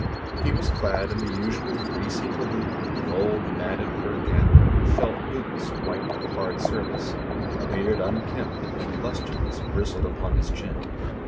He was clad in the usual greasy tou loupe, with an old matted fur cap, and felt boots white with hard service; a beard unkempt and lusterless bris tled upon his chin.